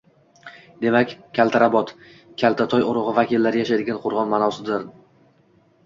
Demak, Kaltarabot – «kaltatoy urug‘i vakillari yashaydigan qo‘rg‘on» ma’nosidadir.